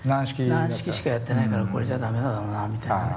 軟式しかやってないからこれじゃあ駄目だろうなみたいなね。